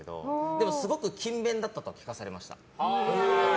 でも、すごく勤勉だったとは聞かされました。